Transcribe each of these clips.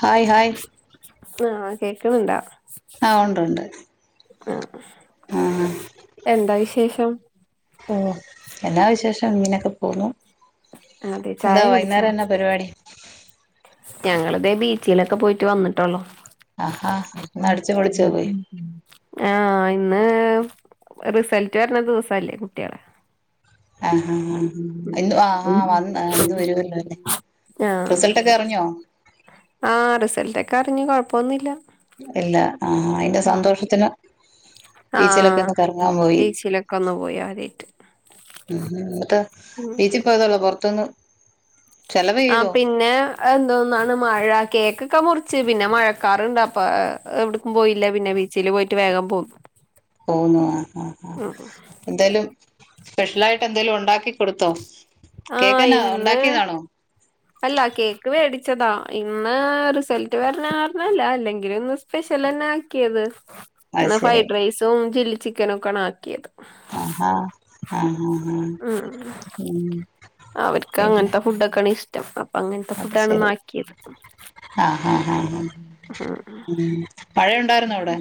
Hi hi. ആഹ് കേക്കുന്നുണ്ടാ? ആ ഉണ്ട് ഉണ്ട് ആ [unintelligible] എന്താ വിശേഷം? ഓ എന്നാ വിശേഷം ഇങ്ങനെക്കെ പോന്നു. അതെ എന്താ വൈകുന്നേരം എന്ന പരിപാടി? ഞങ്ങള് ദേ ബീച്ചിൽ ഒക്കെ പോയിട്ട് വന്നിട്ടുള്ളു. ആഹ് ഹ ഇന്ന് അടിച്ചു പൊളിച്ചോ പോയി. ഏഹ് റിസൾട്ട് വരണ ദിവസമല്ലേ കുട്ടികളെ ആഹ് ഹ ഹ ഇന്ന് വ ആഹ് ആ വന്ന് ഇന്ന് വരുമല്ലോ അല്ലേ ആഹ് റിസൾട്ട് ഒക്കെ അറിഞ്ഞോ? ആഹ് റിസൾട്ട് ഒക്കെ അറിഞ്ഞു കുഴപ്പമൊന്നുമില്ല. ഇല്ല ആഹ് അയിന്റെ സന്തോഷത്തിലാ ബീച്ചിലൊക്കെ ആഹ് ഒന്ന് കറങ്ങാൻ പോയി ബീച്ചിലൊക്കെ ഒന്ന് പോയി ആദ്യായിട്ട് ആഹാ എന്നിട്ടോ ഉം ബീച്ചിൽ പോയതേ ഉള്ളോ പുറത്തൊന്നും ആഹ് പിന്നെ എന്തോന്നാണ് മഴ കേക്കൊക്കെ മുറിച്ച് പിന്നെ മഴക്കാറ് കണ്ട് അപ്പാ ഏഹ് എവിടേക്കും പോയില്ല പിന്നെ ബീച്ചിൽ പോയിട്ട് വേഗം പോന്നു പൊന്നോ ആഹ് ഹാ ആഹ് ഉം എന്തായാലും സ്പെഷ്യലായിട്ട് എന്തേലും ഉണ്ടാക്കി കൊടുത്തോ കേക്ക് ആഹ് എന്നതാ ഇന്ന് ഉണ്ടാക്കിയതാണോ അല്ല കേക്ക് വേടിച്ചതാ ഇന്ന് റിസൾട്ട് വരണ കാരണല്ല അല്ലെങ്കിലും ഇന്ന് സ്പെഷ്യലന്ന ആക്കിയത് അത് ഇന്ന് ഫ്രൈ ശരി ഡ്രൈസും ചില്ലി ചിക്കാനുക്കെ ആണ് ആക്കിയത് ആഹ് ഹ ആഹ് ഹ് മ് അവർക്ക് പിന്നെ അങ്ങനെത്തെ ഫുഡൊക്കെണു ഇഷ് അങ്ങനത്തെ അത് ഫുഡാണ് ശരി ഇന്നാക്കിയത് ആഹ് ആഹ് ആഹ് മ് ഉം മഴയുണ്ടായിരുന്നോ അവിടെ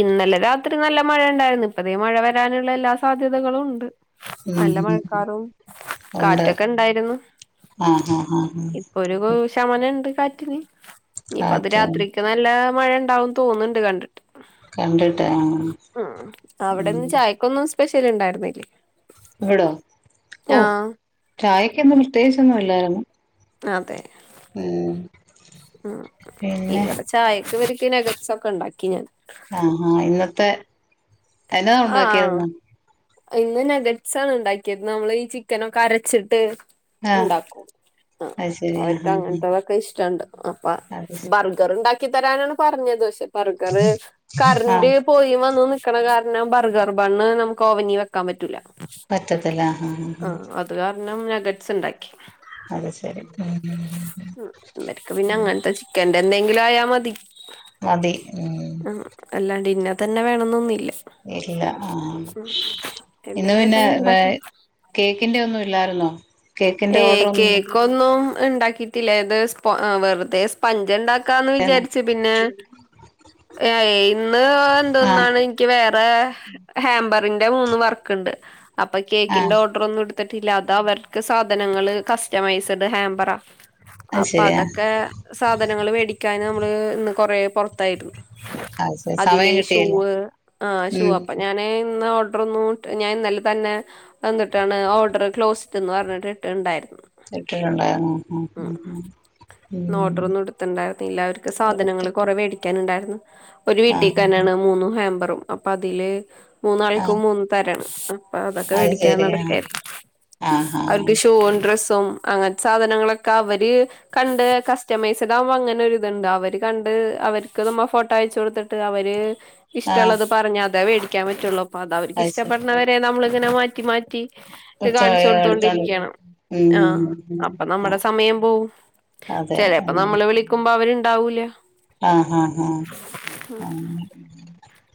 ഇന്നലെ രാത്രി നല്ല മഴ ഉണ്ടായിരുന്നു ഇപ്പോ ദേ മഴ വരാനുള്ള എല്ലാ സാധ്യതകളുണ്ട് ഉം നല്ല ഉം മഴക്കാറും ഉണ്ട് കാറ്റൊക്കെ ഉണ്ടായിരുന്നു ആഹ് ആഹ് ആഹ് ഇപ്പോ ഒരു ഏഹ് ശമനണ്ട് [unintelligible] ഇനിപ്പ അത് കാറ്റ് രാത്രിക്ക് നല്ല മഴണ്ടാവുന്ന് തോന്ന്ണ്ട് കണ്ടി കണ്ടിട്ടേ ആഹ് സ്പെഷ്യൽലുണ്ടായിരുന്നേ എടാ ഒ ചായേ ഇന്ന് പ്രത്യേകിച്ച് ഒന്നും ഇല്ലാരുന്നു. അതെ. ആഹ് പിന്നെ ഇവടെ ചായക്കിവര് പിന്നെ എന്തൊക്കെയുണ്ടാക്കി ഞാൻ. പേ എന്നതാ ആഹ് ഉണ്ടാക്കിയതിന്ന്. ഇന്ന് നഗട്സാണ് ണ്ടാക്കിയത് നമ്മള് ഈ ചിക്കനൊക്കെ അരച്ചിട്ട് ആഹ് ഉണ്ടാക്കും ആഹ് അത് ശരി ആഹ് അവര്ക്ക് ആഹ് അങ്ങനത്തതൊക്കെ ഇഷ്ടണ്ട്. അപ്പ അത് ശരി ബർഗർണ്ടാ തരാനാണ് പറഞ്ഞത് ശെ ബർഗർ കറണ്ട് ആഹ് പോയിം വന്നും നി ക്കണകാ [unintelligible] പിന്നെ ബർഗർ ബണ് നമുക്ക് ഓവനി വയ്ക്കാൻ പറ്റൂല്ല. പറ്റത്തില്ല ആഹ്. നാഗഡ്സ് ഉണ്ടാക്കി അത്ശെരി ഉം ലായമതി. [unintelligible] മതി മ്മ്. അല്ലാണ്ട് ഇന്ന തന്നെ വേണന്നൊന്നുഇല്ല. ഇല്ല ആഹ് ഇന്ന് പിന്നെ എന്തെങ്കിലുമൊക്കെ വെ ഉണ്ടാക്കി കേക്കിന്റെ ഒന്നും ഇല്ലാരുന്നോ? ഏയ് കേക്കൊന്നും ഉണ്ടാക്കിറ്റില്ല ഇത് വെറുതെ സ്പഞ്ച് ഉണ്ടാ വിജാരിച്ച് പിന്നെ ഇന്ന് ആ എന്തോന്നാണ് എനിക്ക് വേറെ ഹാമ്പറിന്റെ മൂന്ന് വർക്ക്ണ്ട്. അപ്പ ആ കേക്കിന്റെ ഓർഡർ ഒന്നും എടുതിട്ടില്ല അത് അവർക്ക് സാ സാധനങ്ങള് കസ്റ്റമൈസ്ഡ് ഹാം പറ അത് അപ്പ ശരിയാ അതൊക്കെ സാധനങ്ങള് വേടിക്കാ നും നമ്മള് ഇന്ന് കൊറെ പൊറത്തായിരുന്ന്. അത് ശരി സമയം അതിലെ കിട്ടിയില്ല ഷൂവ് ആഹ് ഷൂ ഉം അപ്പ ഞാനെ ഇന്ന് ഓ ഒരു [unintelligible] ഞാൻ ഇന്നലെത്തന്നെ വന്നിട്ടാണ് ഓർഡറ് ക്ലോസ്ഡ്ന്ന്‌ പറഞ്ഞിട്ട് [unintelligible] ട്ടുണ്ടായിരുന്നു. ഇട്ടിട്ടുണ്ടായിരുന്നു ഉം മ് ഉം ഉം ഉം നോട്ടുകളൊന്നും എട്ത്ത്ണ്ടായിരുന്നില്ല, അവര്ക്ക് സാധനങ്ങള് എടുത്തിട്ട് കൊറേ വെടിക്കാനിണ്ടാര് ഒരു ആ വീട്ടിക്ക് തന്നാണ് മൂന്നു ഹാബെറും. അപ്പ അതില് ആ ആ മൂന്നാൾക്കും മൂന്ന് തരാണ്. [unintelligible] അത് വേടിക്കാൻ ശെരി ആ നടക്കായിരുന്നു ആ ഹാ ഹാ [unintelligible] ഡ്രസ്സും അങ്ങനത്തെ സാധനങ്ങളൊക്കെ അവര് കണ്ട്‌ കസ്റ്റമൈസ്ടാവ്മ്പോ അങ്ങനൊരു ഇതുണ്ട് അവര് കണ്ട് അവര്ക്ക് നമ്മ ഫോട്ടോ അയച്ചു കൊടുത്തിട്ട് അവര് ആ ആ ഇഷ്ട്ടോള്ളത് പറഞ്ഞാ അതാ വേടി ക്കാൻ പറ്റുള്ളൂ. പ്പ അത് അതവര്ക്കിഷ്ട്ടപ്പെടണ വരെ നമ്മള് ഇതന്നെ മാറ്റി മാറ്റി [unintelligible] അടുത്താണ്. [unintelligible] ആ അപ്പ ആ നമ്മടെ സമയം പോകും, അതെ ചെലപ്പം ഉം നമ്മള് വിളിക്കുമ്പോ അവര് ണ്ടാവൂല. ആ ആ ആ ഉം അങ്ങനെ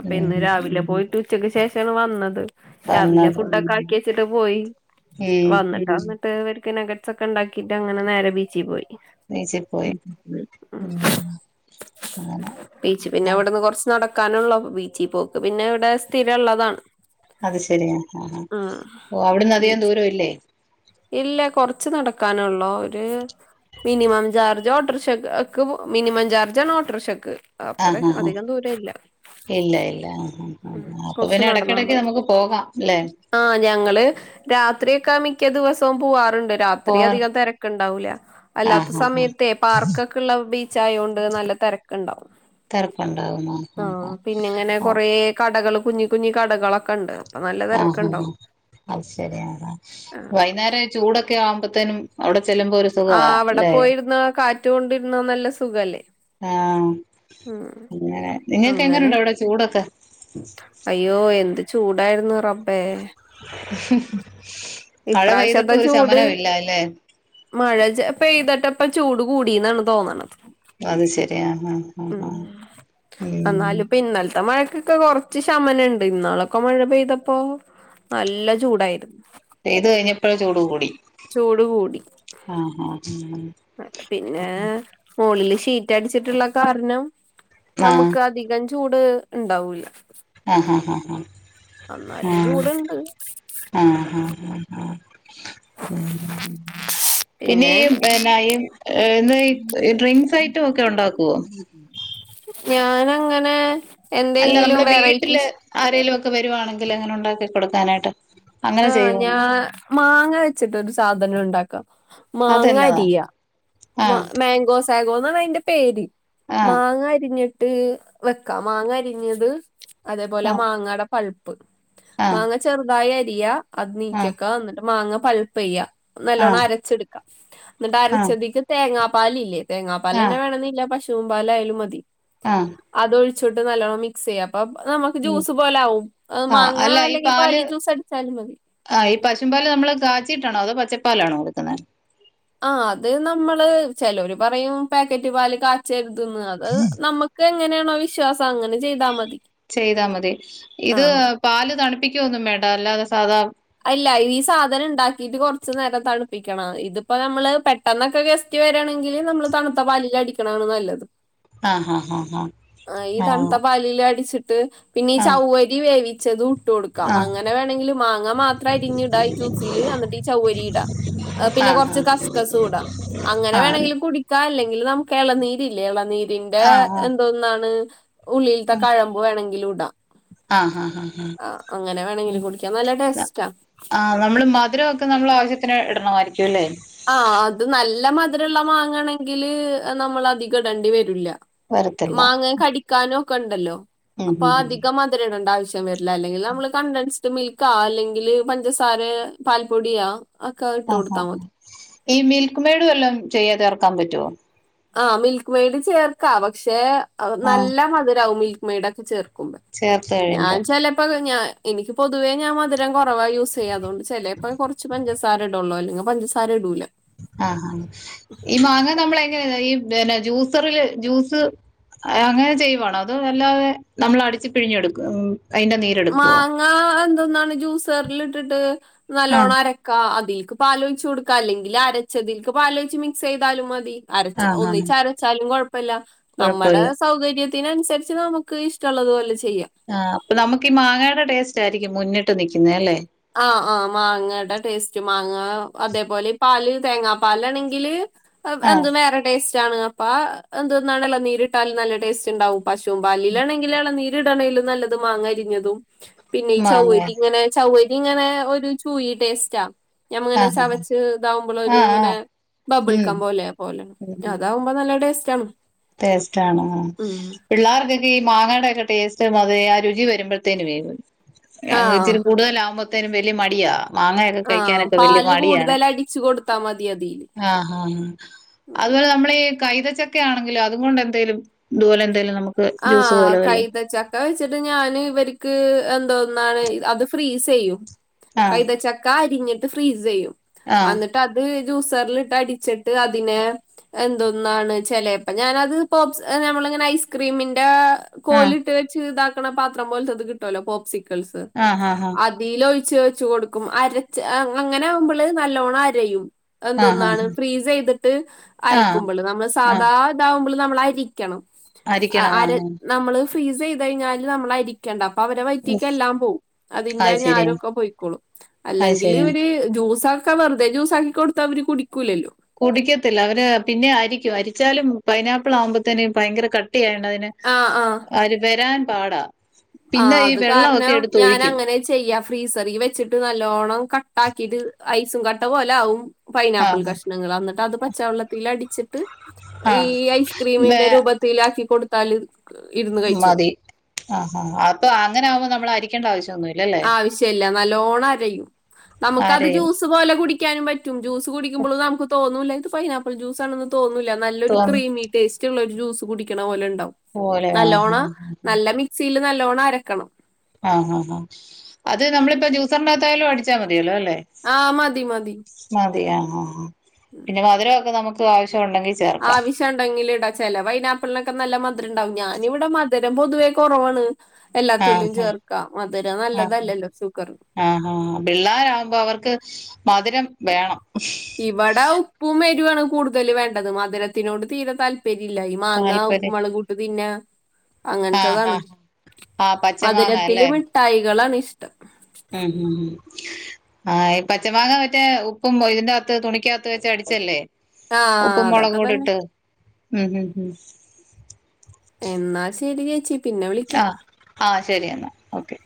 അപ്പ ഉം ഇന്ന് രാവിലെ പോയിട്ട് ഉച്ചക്ക് ശേഷാണ് വന്നത് രാവിലെ വന്നത് ഫുഡോക്കാക്കിയെ ച്ചിട്ട് പോയി ഉം വന്ന്ണ്ടാ വര്ക്ക് നഗടസ് ഒക്കെ ണ്ടാക്കിയിട്ട് അങ്ങനെ നേരെ ബീച്ചിൽ പോയി ബീച്ചിൽ പോയി ഉം അങ്ങനെ ബീച്ചി ആ പിന്നവിടുന്നു കൊറച്ചു നട ഇക്കാനൊള്ളപ്പോ ബീച്ചി പോക്ക് പിന്നെ ഇവിടെ സ്ഥിരള്ളതാണ് അത് ശരി ആ ആ ആ ഉം പ്പോ അവിടുന്നധികം ബീച്ച് ദൂരമില്ലേ ഇല്ല കൊറച്ച് നടക്കാനൊള്ളു ഒരു മിനിമം ചാർജ ഓട്ടോർഷക്ക്‌ ക്ക്‌ മിനിമം ചാർജാണ് ഓട്ടോർഷക്ക് ആ ഹാ ഹാ ഇല്ല ഇല്ല ആ ഹാ ഹാ ഉം അപ്പോ കൊറച്ച് പിന്നെ നടന്നാ എടക്കെടക്ക് മതി നമുക്ക് പോകാം ലെ ആഹ് ഞങ്ങള് രാത്രിയൊക്കെ മിക്ക ദിവസോം പോവാ ണ്ട് പോവാറ് രാത്രിയധികം തിരക്ക്ണ്ടാവൂല ആ അല്ലാത്ത ആ ആ സമയത്തെ പാർക്കക്ക്ള്ള ബീ ച്ചായോണ്ട് നല്ല തെരക്കൊണ്ടാവും തെരക്കുണ്ടാകുമോ ഉം ആ ആ കടകളും കുഞ്ഞി കുഞ്ഞി കടകളാ ആ ആ ആ അതു ശരിയാണ് ആഹ് വൈകുന്നേരം ചൂടൊക്കെ ആവുമ്പോതേനും അവിടെ ചെല്ലുമ്പോ ഒരു ആ സുഖവാ അവിടെ അല്ലെ പോയിരുന്ന കാറ്റ് റ്റു കൊണ്ടിരുന്ന നല്ല സുഖല്ലേ ആ ഉം അങ്ങനെ നിങ്ങക്ക് എങ്ങനെ അങ്ങനെ ഉണ്ട് അവിടെ ചൂടൊക്കെ അയ്യോ എന്ത് ചൂടായിരുന്നു റം ബ്ബെ മഴ ഇപ്രാവശ്യത്തെ പെയ്തിട്ടും ഒരു ചൂട് ശമനമില്ല അല്ലേ മഴ ചാ പെയ്തിട്ട് ഇപ്പൊ ചൂട് കൂടീന്നാണ് തോന്ന്ണത് അത് ശെരി ആ ആ ആ മ് ആ ഉം എന്നാലും ഇപ്പൊ ഇന്നലത്തെ മഴ ക്ക് കുറച്ച് ശമനം ഇണ്ട് ഇന്നാളൊക്കെ മഴ പെയ്തപ്പോ നല്ല ചൂടായിരുന്നു പെയ്ത് കഴിഞ്ഞപ്പോ ചൂട് കൂടി ചൂട് കൂടി ഹ ഹ ഹ പിന്നെ മോളിൽ ഷീറ്റടിച്ച് ട്ട് ള്ള കാരണം നമ്മുക്ക് അധികം [unintelligible] ചൂട് ഉണ്ടാവൂല ആ ആ ആ ആ എന്നാലും ചൂട് ഇണ്ട് [unintelligible] [unintelligible] പിന്നെ പിന്നെ ഈ ഡ്രിങ്ക്സ് ഐറ്റം ഒക്കെ ഉണ്ടാകോ ഞാനങ്ങനെ അല്ല എന്തെങ്കിലും നമ്മളെ വീട്ടില് വെറൈറ്റീസ് ആരെങ്കിലും ഒ ഒക്കെ വരുവാണെങ്കിൽ അങ്ങനെ ഉണ്ടാക്കി കൊടുക്കാനായിട്ട് ആ അങ്ങനെ ഞാ ചെയ്യുവോന്ന് മാങ്ങ വെച്ചിട്ട് ഒരു സാ ദനം ഉണ്ടാക്കാം മാങ്ങ അതെന്നതാ അരിയാ മാ ആഹ് മേഗോസ് മംഗോന്നാ അയിന്റെ പേര് ആഹ് മാങ്ങ അരിഞ്ഞി ട്ട് വെക്കാം മാങ്ങ അരിഞ്ഞത് അതെ പോലെ മാങ്ങയുടെ പൾപ്പ്‌ ആഹ് മാങ്ങ ചെറുതായി അ ഇയാ അത് ആഹ് ആഹ് നീക്കിയെക്കാ ന്നിട്ട് മാങ്ങ പൾപ് യ്യാ നല്ലോണം ആഹ് അരച്ചെടുക്ക. എന്നിട്ട് ആഹ് അരച്ചതിക്ക് ങ്ങാ പാലില്ലേ തേങ്ങാ പാലന്നെ ആഹ് വേണംന്നില്ല. പശുവിൻ തൂപലായാലും മതി ആഹ് അതൊഴി ച്ചിട്ട് നല്ലോണം മിക്സ്‌ ചെയ്യാ പ്പം നമ്മക്ക് ഉം ജ്യൂസ്‌ പോലെ ആവും. അത് ആഹ് മാങ്ങാ അല്ല ഈ അല്ലെങ്കിൽ പാല് പാലിൽ ജ്യൂസ്‌ അടിച്ചാലും മതി ആഹ് പാലാണോ എടുക്കുന്നെ ആ അത് നമ്മള് ചെലോര്പറയും പേക്കറ്റ്പാൽ കാച്ചര് - ത് ന്ന് അത് നമ്മ - ഇതെങ്ങനെ ആണോ വിശ്വാസത്തി - ചെയ്ത മതി. ഇത് ആ പാല് പ്പിക്കൊന്നും വേണ്ട. അല്ലാതെ സാധാ അല്ല ഈ സാധനം ഉണ്ടാക്കിയിട്ട് കുറച്ചു നേരം തണുപ്പിക്കണം. ഇതിപ്പോ നമ്മള് പെട്ടെന്നൊക്കെ ഗസ്റ്റ്‌ വരാണെങ്കിൽ തണുത്ത പാലിൽ അടിക്കണത നല്ലത്. ആഹ് ആഹ് ആഹ് ആ ഈ ആഹ് തണുത്ത പാലില് അടിച്ച് ത്ത് പിന്നെ ഈ ചൗവരി വേവി- ച്ചതും ഇട്ട് കൊടുക്ക. അങ്ങനെ ആഹ് വേണങ്കിൽ മാങ്ങ മാത്ര അരിഞ്ഞിടാ ഈ ജ്യൂസില് എന്നിട്ട് ഈ ചൗവരി ഇടാ പിന്നെ ആഹ് കുറച്ചു കസ്ക്കസും ഇടാ അങ്ങനെ വേണേങ്കിലും കുടിക്ക അല്ലെങ്കിൽ നമുക്ക് എളനീരില്ലേ എളളനീർ ന്റെ ആഹ് ആഹ് ആഹ് ആഹ് എന്തോന്നാണ് ഉള്ളിൽത്തെ കഴമ്പ് വേണെങ്കിലും താ ആഹ് ആഹ് ആഹ് ആ അങ്ങനെ വേണെങ്കിലും കുടിക്കാം. നല്ല ടേസ്റ്റ് ആ നമ്മള് മധുരമൊക്കെ നമ്മളെ ആവശ്യത്തിന് ഇടണമായിരിക്കും അല്ലേ ആ അത് നല്ല മധു മധുരള്ള മാങ്ങാണെങ്കിൽ നമ്മള് അധികം ഇടേണ്ടി വരൂല വരത്തില്ല മാങ്ങ കടിക്കാനും പ്പണ്ടെല്ലൊ ഉം അപ്പാ ഉം അധികം മധ്‌രടണ്ടാവ്ശ് [unintelligible] ല്ലാ അല്ലെങ്കില് നമ്മള് കണ്ടൻസ് ട് മിൽകോ അല്ലെങ്കില് പഞ്ചസാരെ പാൽപൊടിയോ അ ഒക്കെ അഹ് ആഹ് ഇട്ടൊട്ത്ത ആഹ് മതി. ഈ മിൽക് മെയ്ട് വെല്ലോം ചെയ്യ ചേർക്കാൻ പറ്റൊ? ആ മിൽക്ക് മെയ്ഡ് ചേർക്കാ പക്ഷേ അപ്പം ആഹ് നല്ല മധുരാവും മിൽ ക്മെയ്ഡക്കെ ചേർ ക്കുമ്പെ. ചേർത്ത് ഞാൻ കഴിയുമ്പോ ചെലേപ്പൊക്കെ ഞാൻ ഇനിക്ക് പൊതുവെ ഞാൻ മധുരം കൊർ വാ യൂസെയ്യാ അതോണ്ട് ചെലേപ്പം കൊറച്ച് പഞ്ചസാര ഇടൊള്ളൂ. അല്ലെ ങ് പഞ്ചസാര ഇടൂല ആഹാ ഈ മാങ്ങ നമ്മള് എങ്ങനെ കയ്യും വേനെ ജൂസറില് ജൂസ് ഏ അങ്ങനെ ചെയ്യുവാണൊ അതൊ അല്ലാതെ നമ്മളടിച്ച് പിഴിഞ്ഞെടുക്ക് ഉം അതിന്റെ നീരെടുക്കുവോ മാങ്ങാ അന്നാണ് ജൂസർല്ട്ട്ട്ട് ആ നല്ലോണരക്ക അ തീക്ക് പാലൊയ്ചൊട്ക അല്ലെങ്കില് അരച്ചതിക്ക് പാലൊയ്ച്ച് മിക്സെയ്താലും മതി അരച്ച ആ ആ ഒന്നിച്ചരച്ചാലും കൊഴ് പ്പല്ല നമ്മടെ കുഴപ്പമില്ല സൗകര്യ തിനൻസരിച്ച് നമുക്ക് ഇഷ്‌ടള്ളതു വോലെ ച് ആ അപ്പൊ നമുക്കി മാങ്ങെ ൻ്റെ ടേസ്‌സ്റ്റ് ആയിരിക്കും മുന്നിട്ട് നിക്ക്ന്നെ അല്ലെ ആഹ് ആഹ് മാങ്ങടെ ടേസ്റ്റ് മാങ്ങ അതെ പോലെ പാല് തേങ്ങാപാലാണെങ്കില് അപ് ആ എന്ത് വേറെ ടേസ് താണ് അപ്പാ എന്തുന്നാണലെ നീര്ട്ടാലും നല്ല ടേസ്റ്റ്ണ്ടാവും പശൂം പാലിലാണെങ്കിലാണ് നീ ത്‌ട്ണെയ്ലും നല്ലത് മാങ്ങ അരിഞ്ഞതും പിന്നെയി മാങ്ങ ചവ്വക്കിങ്ങനെ ചവ്വ ഇങ്ങനെ ഒരു ചുയി ടേസ്റ്റ ആ ഞമ്മളങ്ങനെ ചവച്ച് ഇതാവുമ്പളൊരു ആ ആ ഇങ്ങനെ ഉം ബബിൾഗം പോലേ പോലെയാണ് അതാവുമ്പൊ നല്ല ടേ [unintelligible] ടേസ്റ്റ് ആണ് പുള്ളർക്കൊക്കെ ഏ മാങ്ങാ ഒക്കെ ടേസ്റ്റ് ആ രുചി വരുമ്പോഴേക്കൊക്കെയേ ആ അങ്ങ് ഇച്ചിരി കൂടുതലാകുമ്പോ ഇതിനു വലിയ മടിയ മാങ്ങാ ഒകെ ആ കഴിക്കാനൊക്കെ വലിയ പാല് മടിയാണേ കൂടുതൽ അടിച്ചു കൊടുത്താ മതി അതില് ഉം അതേപോലെ ഈ കൈതച്ചക്ക എങ്കിൽ അതുകൊണ്ടെന്തേലും ഇതുപോലെ എന്തേലും നമുക്ക് ആ ജ്യൂസ് പോലെ വല്ലോം കൈതച്ചക്ക വെച്ചിട്ട് ഞാൻ ഇവർക്ക് എന്തോന്നു ആണ് അത് ഫ്രീസ് ചെയ്യും ആഹ് കൈതച്ചക്ക പിഴിഞ്ഞിട്ട് ഫ്രീസ് വെക്കും ആഹ് അന്നിട്ട് അത് പിന്നെ ജ്യൂസ്റിൽ ഇട്ട് അടിച്ചിട്ട് അതിനെ എന്തോന്നണു ചിലപ്പോ ഞാൻ അത് [inaudible] ക്രീമന്റ- കോലിട്ട് വെച്ച് ആ പാത്രം പോലെ കിട്ടുവല്ലോ ബോക്സി ആഹ് ആഹ് ആഹ് അതിലൊരു തേച്ചു കൊടുക്കും അരച്ച് കൊടുക്കും അപ്പോ നല്ലപോലെ അരയും ആഹ് ആഹ് എന്തൊന്നാണ് ഫ്രീസ് ചെയ്തിട്ട് ആഹ് അരക്കുമ്പോൾ നമ്മള് ആഹ് സാധാ ഇതാവുമ്പോൾ നമ്മളായിരിക്കണം അരിക്കണം ആര് ആഹ് നമ്മള് ഫ്രീസ് ചെയ്- കഴിഞ്ഞാല് നമ്മളരിക്കണ്ട അപ്പ അവരെ ആഹ് വൈറ്റിക്ക് എല്ലാം പോവും അതിന്റെ അത് ശരിയാ ഞാരും ഒക്കെപൊയ്ക്കോളും അത് അല്ലെങ്കിൽ ശരിയാ ജൂസ വെറുതെ ജൂസാക്കി കൊടുത്ത അവർ കുടിക്കൂലല്ലോ കുടിക്കത്തില്ല അവര് പിന്നെ അരിക്കും അരിച്ചാലും പൈനാപ്പിൾ ആവുമ്പത്തേന് ഭയങ്കര കടു- തി [unintelligible] ന് അവര് വരാൻ പാട ആ അത് കാരണം ഞാൻ അങ്ങനെ ചെയ്യാ ഫ്രീസറിൽ വെച്ചിട്ട് നല്ലോണം ക- ഉണ്ടാക്കിട്ട് ഐസും കട്ട പോലെ ആകും പൈനാപ്പിൾ ആഹ് കഷ്ണങ്ങൾ വന്നിട്ട് അത് പച്ചവെള്ളത്തിൽ അടിച്ചിട്ട് ഈ ആഹ് ഐസ്ക്രീമിന്റെ വേ രൂപത്തിലാക്കി കൊടുത്ത് തല്- മതി ആഹഹ ആ അപ്പ അങ്ങന ആുമ്പോ നമ്മളരിക്കണ്ട ആവിശ്യം ഒന്നുല്ലല്ലേ ആവശ്യമില്ല നല്ലോണം അരയും നമുക്ക് അത് ജൂസുപോലെ കുടി ക്കാനും പറ്റും ജ്യൂസുകുടിക്കുമ്പള് നമുക്ക് തോന്നൂല്ലാ. ഇത് പൈനാപ്പിൾ ജ്യൂസാണെന്ന് തോന്നൂല്ല ല്ല നല്ലൊരു തോന്ന ക്രീമി ടേസ്റ്റൊള്ളൊരു ജ്യൂ ജൂസ് കുടിക്കണ പോലൺ ണ്ടാവും. പോലെ ആഹ് നല്ലോണ ആഹ് നല്ല മിക്സിയില് നൽ ല്ലോണം അരക്കണം ആ ആ ആ അത് നമ്മളിപ്പെ ജ്യൂസറിൻ്റാത്ത് ത്തായാലും അടിച്ചാ മതിയല്ലോ. അല്ലേ ആ മതി മതി മതിയാ ആ ആ പിന്നെ മധുരൊക്കെ നമുക്ക് ക്ക് ആവ ആവശ്യ ഉണ്ടെങ്കില് ഇടാം. ചില പൈനാപ്പിളിനൊക്കെ നല്ല മ ധുരണ്ടാവും. ഞാൻ ഇവിടെ മധുരം പൊതുവേ കുറവാണ്. ആഹ ആ നല്ലതല്ലല്ലോ ഷുഗറിന്. ആ ആ പിള്ളേരാവുമ്പോ അവർക്ക് മധുരം വേണം ഇവടെ ഉപ്പും എരിവാണ് കൂടുതൽ വേണ്ടത്. മധുരത്തിനോട് തീരെ താൽ പര്യല്ല. ഈ മാങ്ങ ഉപ്പും താല്പര്യം മുളകും ഇട്ടു തിന്നാ. ആഹ് അങ്ങൻത്തതാണ്. ആഹ് ആഹ് പച്ചമാങ്ങ മധുരത്തില് അല്ലേ മിഠായികളാണ് ഇഷ് ഉം ഉം ആയ് പച്ചമാങ്ങ മറ്റേ ഉപ്പും മൊയ്ൻ്റകത്ത് തുണിക്കാത്ത് വച്ച് അടിച്ചല്ലേ ആ ഉപ്പും മുളക് അതൊക്കെ പൊടി തന്നെ. ഇട്ട് ഉം ഉം ഉം എന്നാ ശെരി [unintelligible] ആ ആ ശെരിയെന്നാ. ഓക്കെ